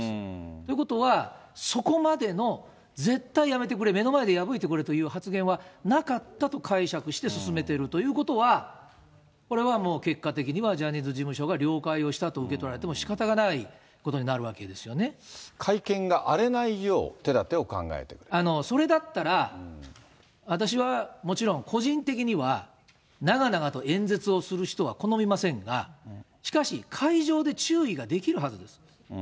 ということは、そこまでの絶対やめてくれ、目の前で破いてくれという発言はなかったと解釈して進めているということは、これはもう結果的には、ジャニーズ事務所が了解をしたと受け取られてもしかたがないこと会見が荒れないよう手だてをそれだったら、私はもちろん、個人的には長々と演説をする人は好みませんが、しかし、会場で注意ができるはずです。